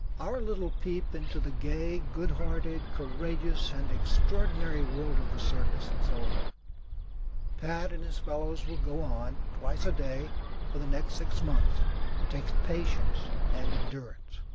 Our little peep into the gay, good hearted, courageous, and extraordinary world of the circus is over. Pat and his fellows will go on, twice a day, for the next six months. It takes patience and endurance.